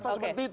atau seperti itu